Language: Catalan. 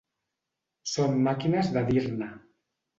Són màquines de dir-ne